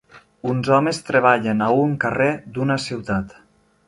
Uns homes treballen a un carrer d'una ciutat.